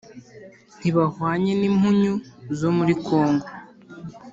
ntibahwanye n’impunyu zo muri kongo,